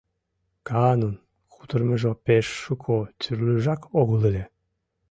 Каанун кутырымыжо пеш шуко тӱрлыжак огыл ыле.